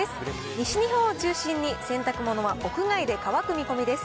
西日本を中心に洗濯物は屋外で乾く見込みです。